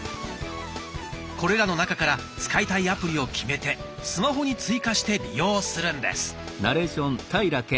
これらの中から使いたいアプリを決めてスマホに追加して利用するんです。